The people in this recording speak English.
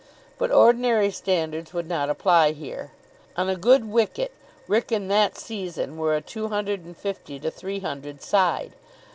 But ordinary standards would not apply here. On a good wicket Wrykyn that season were a two hundred and fifty to three hundred side.